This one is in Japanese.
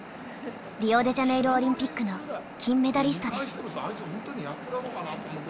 リオデジャネイロ・オリンピックの金メダリストです。